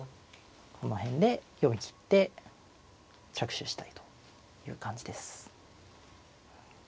この辺で読み切って着手したいという感じです。